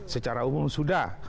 secara umum sudah